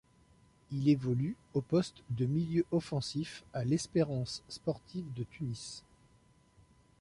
Il évolue au poste de milieu offensif à l'Espérance sportive de Tunis.